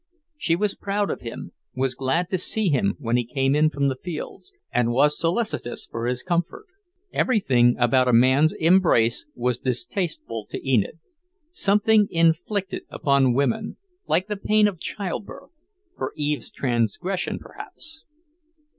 She was proud of him, was glad to see him when he came in from the fields, and was solicitous for his comfort. Everything about a man's embrace was distasteful to Enid; something inflicted upon women, like the pain of childbirth, for Eve's transgression, perhaps.